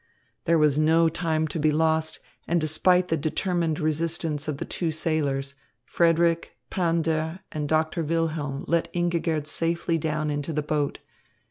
There was no time to be lost, and despite the determined resistance of two sailors, Frederick, Pander, and Doctor Wilhelm let Ingigerd safely down into the boat.